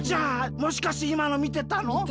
もしかしていまのみてたの？みてたよ。